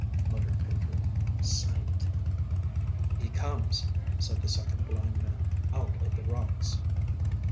muttered Pedro. "Sight?" "He comes," said the second blind man, "out of the rocks."